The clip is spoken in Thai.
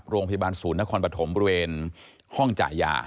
โรงพยาบาลศูนย์นครปฐมบริเวณห้องจ่ายยา